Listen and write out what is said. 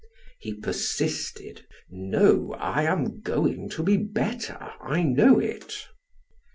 He persisted: "No, I am going to be better, I know it."